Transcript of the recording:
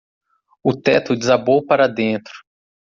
O teto desabou para dentro.